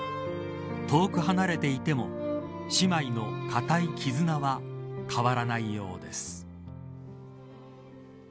遠く離れていても姉妹の固い絆は変わらないようです。